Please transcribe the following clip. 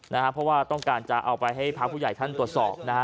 เพราะว่าต้องการจะเอาไปให้พระผู้ใหญ่ท่านตรวจสอบนะฮะ